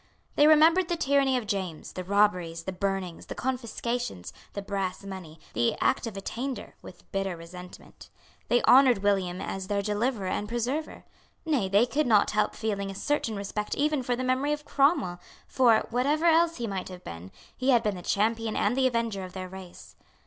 They remembered the tyranny of James, the robberies, the burnings, the confiscations, the brass money, the Act of Attainder, with bitter resentment. They honoured William as their deliverer and preserver. Nay, they could not help feeling a certain respect even for the memory of Cromwell; for, whatever else he might have been, he had been the champion and the avenger of their race.